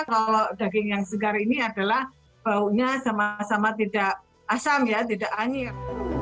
kalau daging yang segar ini adalah baunya sama sama tidak asam ya tidak anjir